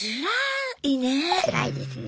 つらいですね。